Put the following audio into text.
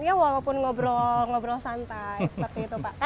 ya walaupun ngobrol ngobrol santai seperti itu pak